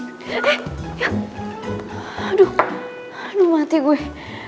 aduh mati gue